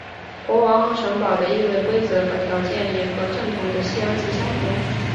国王和城堡的易位规则和条件也和正统的西洋棋相同。